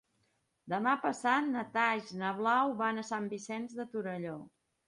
Demà passat na Thaís i na Blau van a Sant Vicenç de Torelló.